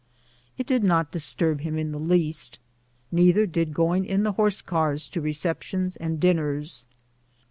It did not disturb him in the least; neither did going in the horse cars to receptions and dinners.